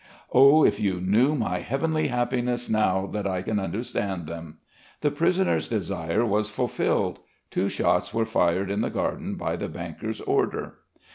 Oh, if you knew my heavenly happiness now that I can understand them!" The prisoner's desire was fulfilled. Two shots were fired in the garden by the banker's order.